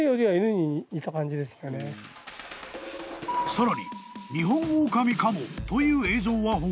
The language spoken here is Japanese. ［さらにニホンオオカミかもという］